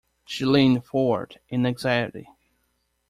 She leaned forward in anxiety.